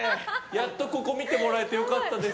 やっとここ見てもらえて良かったです。